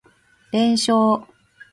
連勝